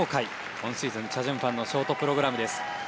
今シーズンチャ・ジュンファンのショートプログラムです。